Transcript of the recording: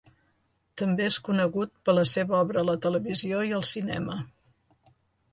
També és conegut per la seva obra a la televisió i al cinema.